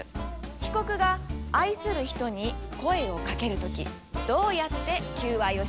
被告が愛する人に声をかける時どうやって求愛をしますか？